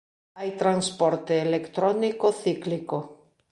Hai transporte electrónico cíclico.